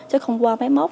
chứ không qua máy móc